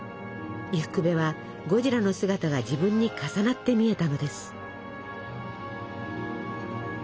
伊福部はゴジラの姿が自分に重なって見えたのです。